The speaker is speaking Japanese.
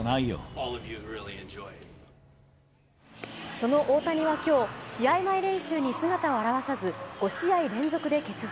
その大谷はきょう試合前練習に姿を現さず、５試合連続で欠場。